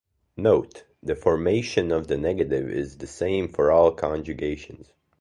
Note: the formation of the negative is the same for all conjugations.